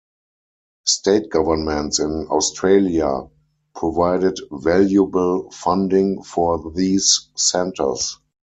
State governments in Australia provided valuable funding for these Centres.